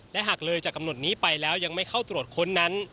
และหากเลยจากกำหนดนี้ไปแล้วยังไม่เข้าตรวจค้นนั้น